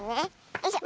よいしょ。